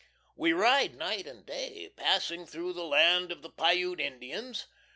We ride night and day, passing through the land of the Piute Indians.